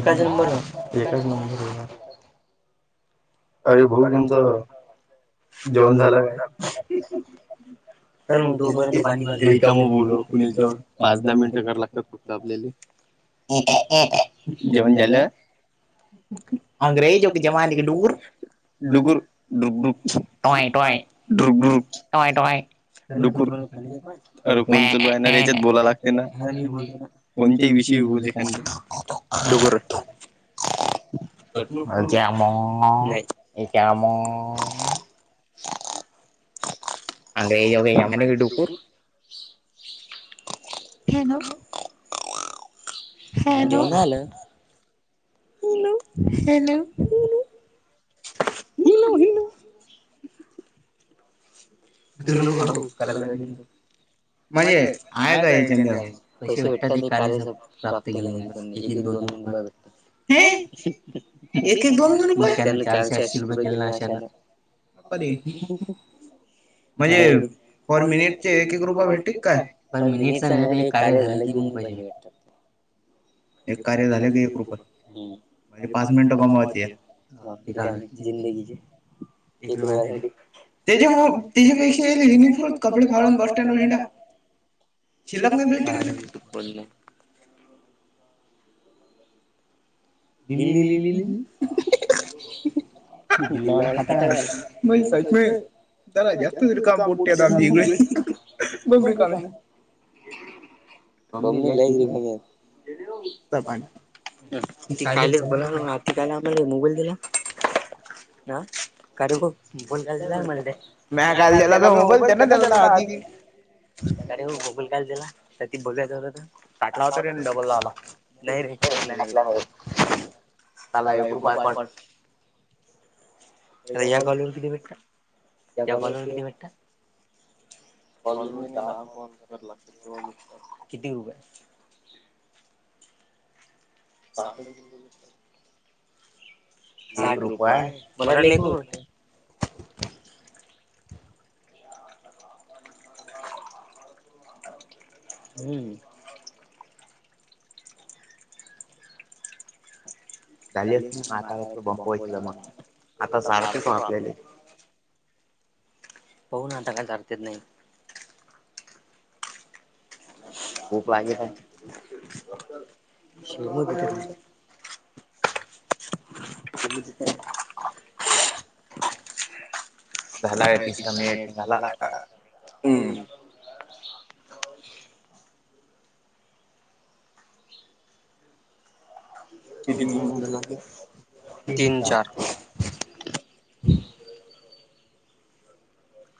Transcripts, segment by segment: एकाच number H number अरे भाऊ तुमचं जेवण झालं काय तर मग तोपर्यंत पा म बोल पुण्याच्या पाच दहा मिनिटं करा लागतात फक्त आपल्याला जेवनजल अंग्रेज हो क जमानी कडर डुगर डु डु अरे फन लू आहेणार याच्यात बोलाय लागते ना बो कोणत्याही विषय कख त डुकर गम गम अंगो मान विडकू हेन घेऊन झालं हनो ह हनो हनो ऊ नक बाू कला दिन म्हणजे आहे काच्यांद पैसे भटतात कार्य प्राप्त केलं क को एक एकदा दोनन उपाय्यत एक त्या ल शख बगेल नाश मजा आ पर मिनिट एक रुप भेटत का पर मिनिट नाही कार्य झालं की म्हणूनहिे भेटतात एक कार्य झालं क रूप माझे पाच मिनिटं कमावते ठिका जिंदगीचे एक रुपयासाठी ते ज तिच्या पैकी एक होत ना कपडे फाडून बस सँड लंगडा- शला म दु भट पल [unintelligible] दिल्लीलीलील्लीली - ब ह बई सच म [unintelligible] त्याला जास्त तर काम पोटता मचीकडे बर काम आहे मग मी लिहिलाय सपांन कालच बाघा ना आपन कायला मोबाइल दिला ह कारण ग बोल म्हणते म्या काल द्याला मी मोबाईल त्यांना दिला हाती- कारे हो गॉगल कायला दिला तर तीला बघायचं होत ना. टाकला होता रे डबलला नाही रे टाकला नाहीरे. झाला एक रुपया कट. आता या कॉल वर किती भेटता? या कॉल वर किती भेटता? कॉल वर नाही दहा कॉल करायला लागते. किती रुपये साठ रुपये. साठ रूपये मला वाटले लई होते. [inaudible] हम् [inaudible] झाली असतील मग आता वर तो बंपवायला मग आता सारखे का आपल्याला. पाहू ना आता काय करतील ना. भूक लागली काय? श म [unintelligible] देत नाही शु [unintelligible] [inaudible] झाला ये तिसरा मिनट झाला. हम्म कती मिनट तीन चार. [inaudible]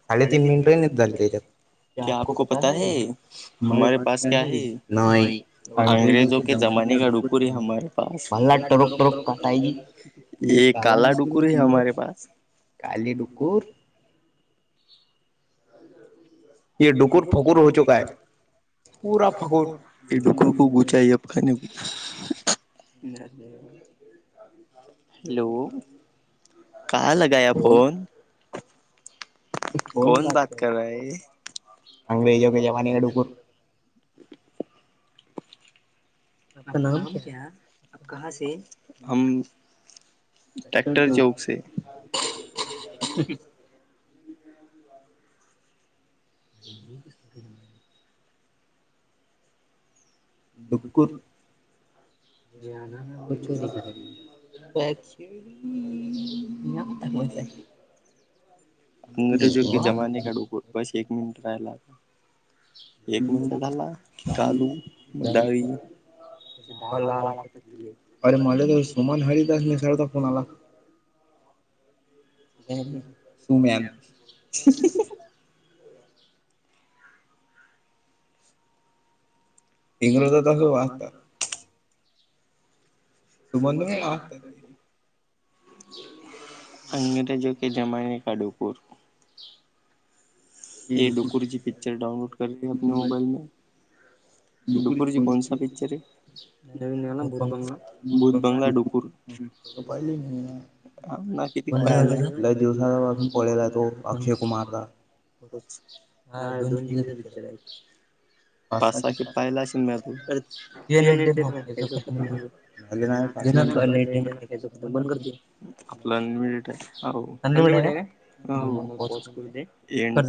साडे तीन मिनिट नाही झाली त्यात. क्या आपको पता है हमारे पाास क्या है अंग्रेजो के जमाने डुकर हे हमारे पास ये काला डुकर है हमारे हमारे पास. काली डुक्कर. हे डुक्कर फुकर हो चो काय [unintelligible] [unintelligible] हॅलो कहा लगाया फोन? कोण बात कर रहा हे. आपका नाम क्या आप कहा से हम टॅक्टर चौक से- [inaudible] बुकुळ [unintelligible] [unintelligible] अंग्रेजो के जमाने काढू बस एक मिनिट राहिला. एक मिनट झाला की कालू मग दाव. अरे मला त सोमान हरिदास नसरता फोन आला. [unintelligible] सुम्यान. इंग्रजात असं वागतात. सुमंध म असतात ते. अंग्रज क जमाने का डूपूर ए डोकूरजी पिक्चर डाउनलोड करली आपने मोबाईल मे डुकूर कोणसा पिक्चर आहे नवीनला भूत बंगला भूत बंगला डुकूर. सुविधाय कितीला दिवसाूनला आहे तो कमारला. हा दोन जीपीचा पिक्चर आहे. पासा की पाहिला श [unintelligible] देट देच बंद करते आपला अनलिमटेड अनलिमिट आहे. हो.